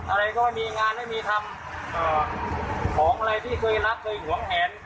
อะไรก็ไม่มีงานไม่มีทำของอะไรที่เคยรักเคยหวงแหน